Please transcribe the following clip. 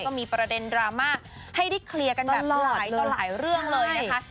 ก็มีประเด็นดราม่าให้ได้เคลียร์กันแบบหลายต่อหลายเรื่องเลยนะคะ